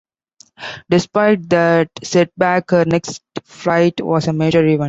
Despite that setback, her next fight was a major event.